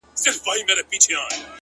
o نور دي نو شېخاني كيسې نه كوي؛